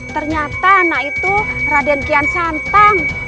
ternyata anak itu raden kian santang